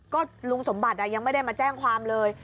ก็ลุงสมบัติยังไม่ได้มาแจ้งความเลย